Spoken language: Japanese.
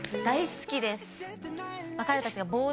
大好きです。